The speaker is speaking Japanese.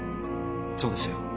そうですよ。